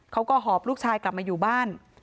หอบลูกชายกลับมาอยู่บ้าน